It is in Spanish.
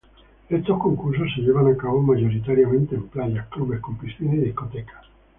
Estos concursos se llevan a cabo mayoritariamente en playas, clubes con piscina y discotecas.